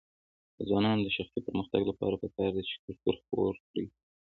د ځوانانو د شخصي پرمختګ لپاره پکار ده چې کلتور خپور کړي.